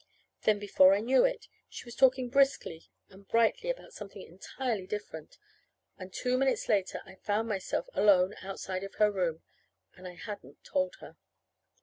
Then, before I knew it, she was talking briskly and brightly about something entirely different; and two minutes later I found myself alone outside of her room. And I hadn't told her.